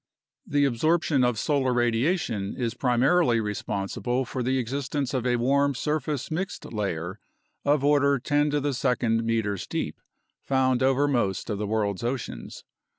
The absorption of solar radiation is primarily responsible for the exist ence of a warm surface mixed layer of order 10 2 m deep found over most of the world's oceans.